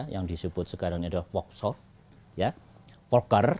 yang disebut sekarang adalah poksor